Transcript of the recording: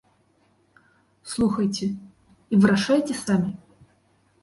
Слухайце і вырашайце самі.